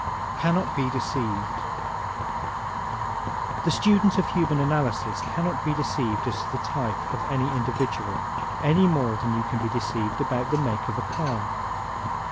Can Not be Deceived ¶ The student of Human Analysis cannot be deceived as to the type of any individual any more than you can be deceived about the make of a car.